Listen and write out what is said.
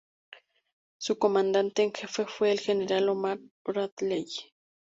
Su comandante en jefe fue el general Omar Bradley.